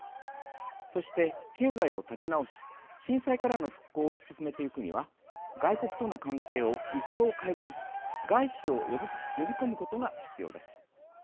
そして経済を立て直し震災からの復興を進めていくには外国との関係を一層、改善し外資を呼び込むことが必要です。